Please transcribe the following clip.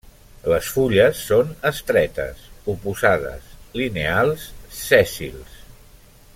Les fulles són estretes, oposades, lineals, sèssils.